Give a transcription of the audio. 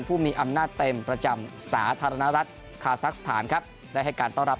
ผู้มีอำนาจเต็มประจำสาธารณรัฐคาซักสถานครับได้ให้การต้อนรับ